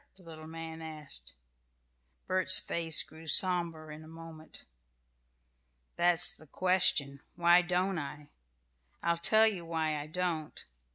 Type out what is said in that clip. the little man asked. Bert's face grew sober in a moment. "That's the question: why don't I? I'll tell you why I don't.